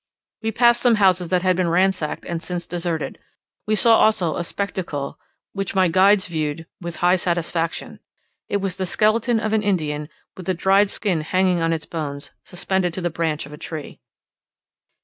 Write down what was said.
We passed some houses that had been ransacked and since deserted; we saw also a spectacle, which my guides viewed with high satisfaction; it was the skeleton of an Indian with the dried skin hanging on the bones, suspended to the branch of a tree.